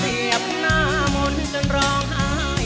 เก็บหน้ามนต์จนร้องหาย